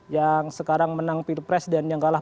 yang sekarang menang pilpres dan yang kalah